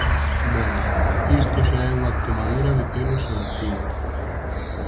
Ben, isto xa é unha tomadura de pelo sen fin.